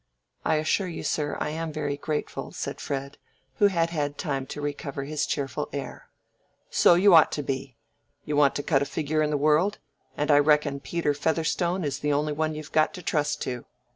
"I assure you, sir, I am very grateful," said Fred, who had had time to recover his cheerful air. "So you ought to be. You want to cut a figure in the world, and I reckon Peter Featherstone is the only one you've got to trust to."